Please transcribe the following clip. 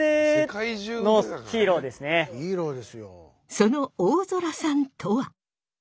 その大空さんとは。